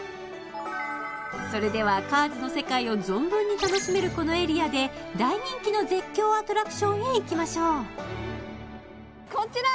それではカーズの世界を存分に楽しめるこのエリアで大人気の絶叫アトラクションへ行きましょうこちら！